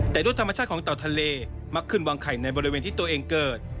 แต่ด้วยธรรมชาติของเต่าทะเลมักขึ้นวางไข่ในบริเวณที่ตัวเองเกิด